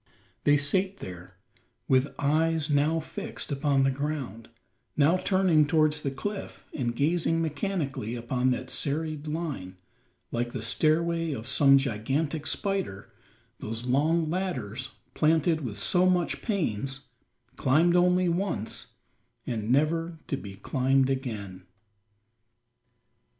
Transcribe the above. There sate they, with eyes now fixed upon the ground, now turning towards the cliff and gazing mechanically upon that serried line, like the stairway of some gigantic spider those long ladders, planted with so much pains, climbed only once, and never to be climbed again!